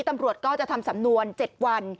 ตำรวจก็จะทำสำนวน๗วัน